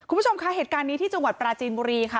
คุณผู้ชมคะเหตุการณ์นี้ที่จังหวัดปราจีนบุรีค่ะ